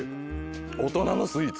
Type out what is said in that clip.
大人のスイーツ。